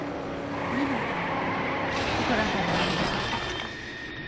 何を食べたのか心当たりはありませんか？